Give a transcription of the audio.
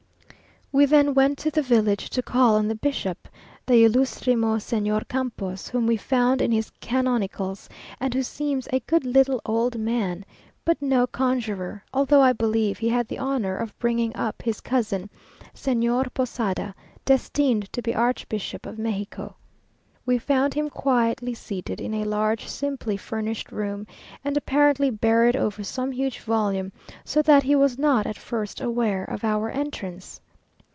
We then went to the village to call on the bishop, the Ylustrisimo Señor Campos, whom we found in his canonicals, and who seems a good little old man, but no conjurer; although I believe he had the honour of bringing up his cousin, Señor Posada, destined to be Archbishop of Mexico. We found him quietly seated in a large, simply furnished room, and apparently buried over some huge volume, so that he was not at first aware of our entrance.